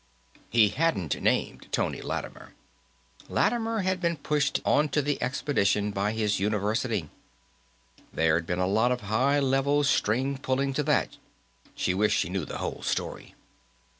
He hadn't named Tony Lattimer; Lattimer had been pushed onto the expedition by his university. There'd been a lot of high level string pulling to that; she wished she knew the whole story.